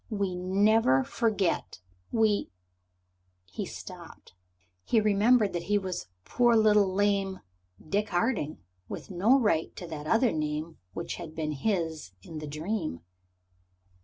We never forget, we " He stopped. He remembered that he was poor little lame Dickie Harding, with no right to that other name which had been his in the dream.